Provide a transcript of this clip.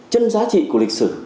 chân giá trị của lịch sử